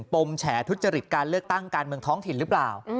มแฉทุจริตการเลือกตั้งการเมืองท้องถิ่นหรือเปล่า